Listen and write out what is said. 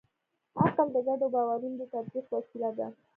عقل د ګډو باورونو د تطبیق وسیله ده.